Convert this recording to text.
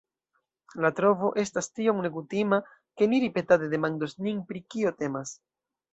La trovo estas tiom nekutima, ke ni ripetade demandos nin, pri kio temas.